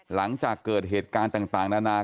หลังจากเกิดเหตุการณ์ต่างนานา